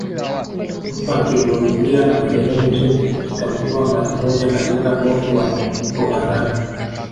Mtu akimnunulia marehemu cheti kitamtoa mara moja katika moto wa toharani